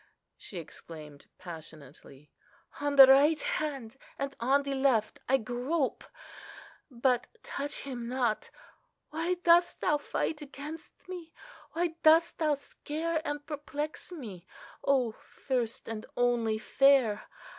she exclaimed, passionately. "On the right hand and on the left I grope, but touch Him not. Why dost Thou fight against me?—why dost Thou scare and perplex me, O First and Only Fair?